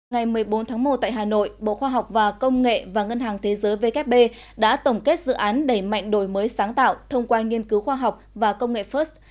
ngày một mươi bốn tháng một tại hà nội bộ khoa học và công nghệ và ngân hàng thế giới vkp đã tổng kết dự án đẩy mạnh đổi mới sáng tạo thông qua nghiên cứu khoa học và công nghệ first